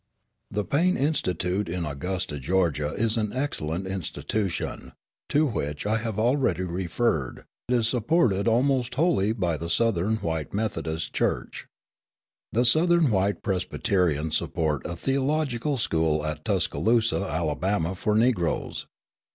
The Payne Institute in Augusta, Georgia, an excellent institution, to which I have already referred, is supported almost wholly by the Southern white Methodist church. The Southern white Presbyterians support a theological school at Tuscaloosa, Alabama, for Negroes.